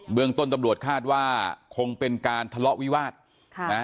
เมืองต้นตำรวจคาดว่าคงเป็นการทะเลาะวิวาสค่ะนะ